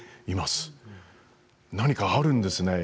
何かあるんですね。